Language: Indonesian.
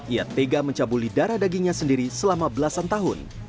ia tega mencabuli darah dagingnya sendiri selama belasan tahun